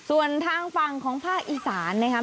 ส่วนทางฝั่งของภาคอีสานนะครับ